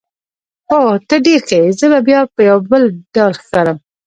اوه، ته ډېر ښه یې، زه به بیا په یوه بېل ډول ښکارم.